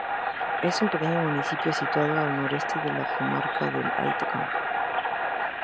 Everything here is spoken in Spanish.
Es un pequeño municipio situado al noroeste de la comarca del Alto Campo.